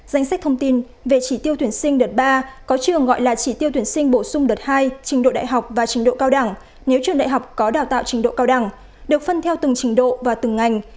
danh sách thông tin về chỉ tiêu tuyển sinh đợt ba có trường gọi là chỉ tiêu tuyển sinh bổ sung đợt hai trình độ đại học và trình độ cao đẳng nếu trường đại học có đào tạo trình độ cao đẳng được phân theo từng trình độ và từng ngành